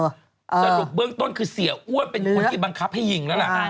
สรุปเบื้องต้นคือเสียอ้วนเป็นคนที่บังคับให้ยิงแล้วล่ะ